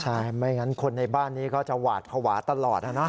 ใช่ไม่งั้นคนในบ้านนี้ก็จะหวาดภาวะตลอดนะ